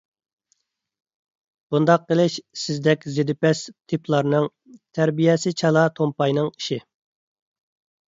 بۇنداق قىلىش سىزدەك زىدىپەس تىپلارنىڭ، تەربىيەسى چالا تومپاينىڭ ئىشى.